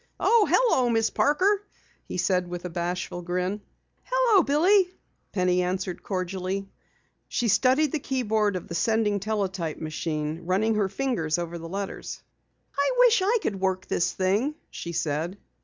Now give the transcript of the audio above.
"Oh, hello, Miss Parker," he said with a bashful grin. "Hello, Billy," Penny answered cordially. She studied the keyboard of the sending teletype machine, running her fingers over the letters. "I wish I could work this thing," she said.